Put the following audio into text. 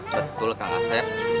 betul kang aset